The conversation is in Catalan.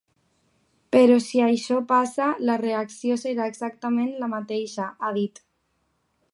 Però si això passa, la reacció serà exactament la mateixa, ha dit.